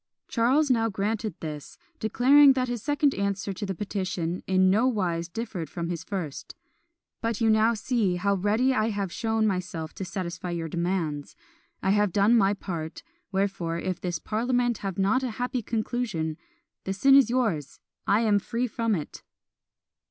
Charles now granted this; declaring that his second answer to the petition in nowise differed from his first; "but you now see how ready I have shown myself to satisfy your demands; I have done my part; wherefore, if this parliament have not a happy conclusion, the sin is yours, I am free from it!"